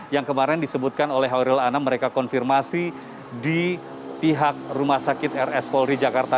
yang kemarin disebutkan oleh horiel anam mereka konfirmasi di pihak rumah sakit rs polri jakarta